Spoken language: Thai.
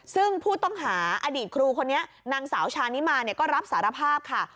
ซึ่งผู้ต้องหาอดีตครูคนนี้นางสาวชานิมาก็รับสารภาพค่ะ